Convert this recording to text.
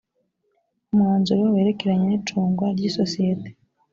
umwanzuro werekeranye n icungwa ry isosiyete